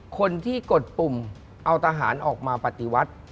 คนที่กดปุ่มเอาทหารออกมาปฏิวัติ